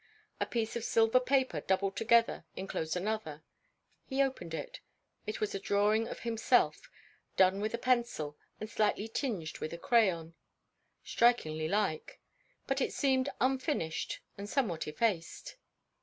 A piece of silver paper doubled together enclosed another; he opened it it was a drawing of himself, done with a pencil, and slightly tinged with a crayon; strikingly like; but it seemed unfinished, and somewhat effaced.